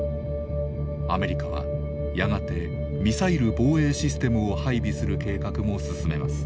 アメリカはやがてミサイル防衛システムを配備する計画も進めます。